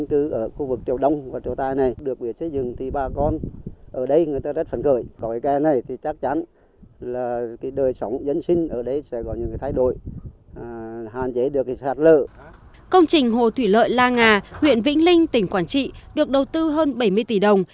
công trình hồ thủy lợi la nga huyện vĩnh linh tỉnh quảng trị được đầu tư hơn bảy mươi tỷ đồng